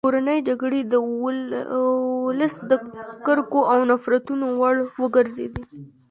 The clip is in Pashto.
کورنۍ جګړې د ولس د کرکو او نفرتونو وړ وګرځېدې.